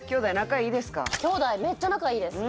めっちゃ仲いいです